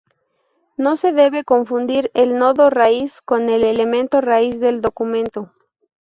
No se debe confundir el nodo raíz con el elemento raíz del documento.